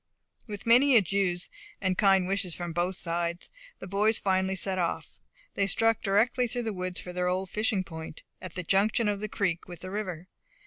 With many adieus and kind wishes from both sides, the boys finally set off. They struck directly through the woods for their old fishing point, at the junction of the creek with the river.